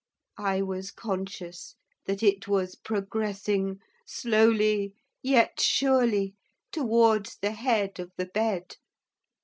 I was conscious that it was progressing, slowly, yet surely, towards the head of the bed.